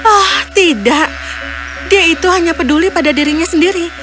oh tidak dia itu hanya peduli pada dirinya sendiri